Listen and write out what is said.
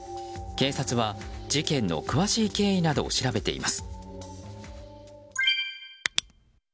警察は、事件の詳しい経緯などを調べています。